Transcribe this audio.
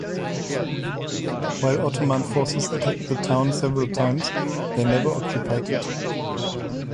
While Ottoman forces attacked the town several times, they never occupied it.